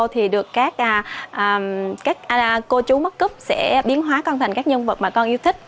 thì được các cô chú mất cấp sẽ biến hóa con thành các nhân vật mà con yêu thích